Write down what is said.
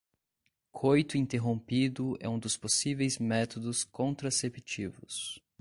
Coito interrompido é um dos possíveis métodos contraceptivos